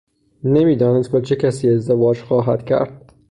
نمیدانست با چه کسی ازدواج خواهد کرد.